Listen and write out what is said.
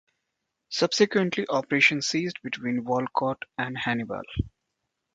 Subsequently operations ceased between Wolcott and Hannibal.